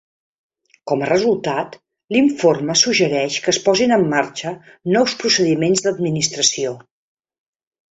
Com a resultat, l'informe suggereix que es posin en marxa nous procediments d'administració.